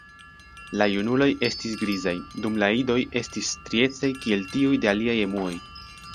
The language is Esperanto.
La junuloj estis grizaj, dum la idoj estis striecaj kiel tiuj de aliaj emuoj.